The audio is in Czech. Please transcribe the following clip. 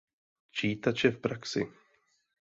Čítače v praxi